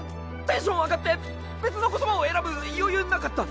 テンション上がって別の言葉を選ぶ余裕なかった。